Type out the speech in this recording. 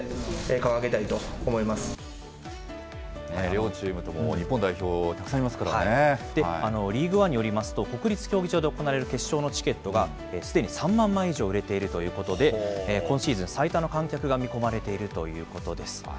両チームとも、日本代表、リーグワンによりますと、国立競技場で行われる決勝のチケットが、すでに３万枚以上売れているということで、今シーズン最多の観客が見込まれているということです。